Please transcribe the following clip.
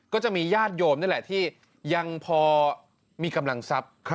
ก็จะมีญาติโยมนี่แหละที่ยังพอมีกำลังทรัพย์